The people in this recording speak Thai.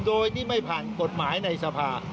โดยที่ไม่ผ่านกฎหมายในสภา